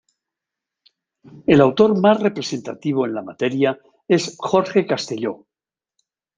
El autor más representativo en la materia es Jorge Castelló.